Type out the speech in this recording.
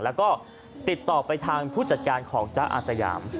แล้วก็ติดต่อไปทางผู้จัดการของจ๊ะอาสยาม